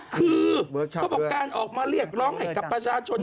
คือเขาบอกการออกมาเรียกร้องให้กับประชาชน